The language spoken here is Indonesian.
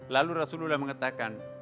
lalu rasulullah mengatakan